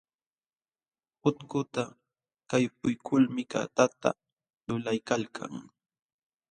Utkuta kaypuykulmi katata lulaykalkan.